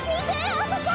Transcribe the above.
あそこ！